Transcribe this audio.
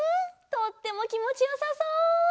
とってもきもちよさそう！